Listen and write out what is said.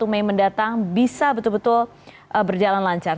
semoga yang mendatang bisa betul betul berjalan lancar